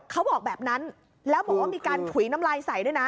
เขาบอกแบบนั้นแล้วบอกว่ามีการถุยน้ำลายใส่ด้วยนะ